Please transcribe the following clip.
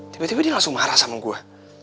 tiba tiba dia langsung marah sama gue